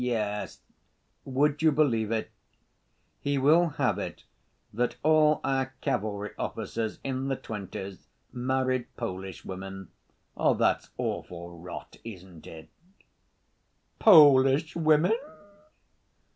"Yes. Would you believe it, he will have it that all our cavalry officers in the twenties married Polish women. That's awful rot, isn't it?" "Polish women?"